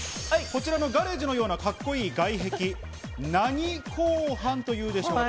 こちらのガレージのようなカッコいい外壁、何鋼板というでしょう？